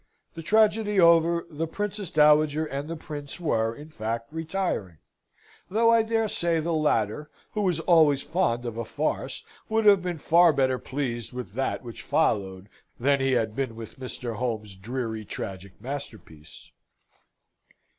The tragedy over, the Princess Dowager and the Prince were, in fact, retiring; though, I dare say, the latter, who was always fond of a farce, would have been far better pleased with that which followed than he had been with Mr. Home's dreary tragic masterpiece.